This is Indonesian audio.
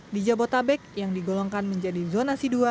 di jabotabek yang digolongkan menjadi zonasi dua